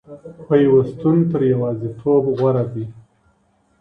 پيوستون تر يوازيتوب غوره دی.